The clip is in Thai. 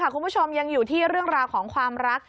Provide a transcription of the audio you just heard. คุณผู้ชมยังอยู่ที่เรื่องราวของความรัก